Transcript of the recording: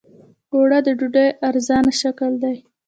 اوړه د ډوډۍ ارزانه شکل دی